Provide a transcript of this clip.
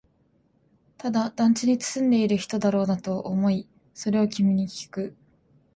ただ、団地に住んでいる人だろうなとは思い、それを君にきく